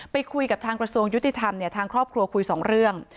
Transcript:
ไปคุยกับทางกระทรวงยุติธรรมเนี่ยทางครอบครัวคุยสองเรื่อง